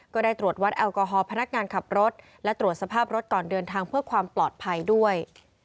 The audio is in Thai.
ก็ได้ตรวจวัดแอลกอฮอลพนักงานขับรถและตรวจสภาพรถก่อนเดินทางเพื่อความปลอดภัยด้วย